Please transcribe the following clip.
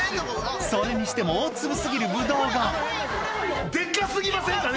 それにしても大粒過ぎるブドウがデカ過ぎませんかね？